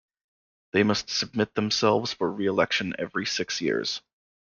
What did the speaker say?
They must submit themselves for re-election every six years.